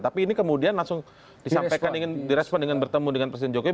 tapi ini kemudian langsung di respon dengan bertemu dengan presiden jokowi